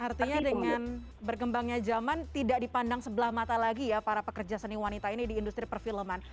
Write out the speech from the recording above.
artinya dengan berkembangnya zaman tidak dipandang sebelah mata lagi ya para pekerja seni wanita ini di industri perfilman